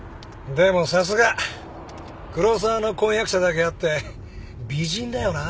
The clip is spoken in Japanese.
でもさすが黒沢の婚約者だけあって美人だよな。